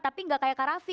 tapi nggak kayak kak raffi